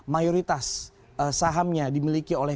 mayoritas sahamnya dimiliki oleh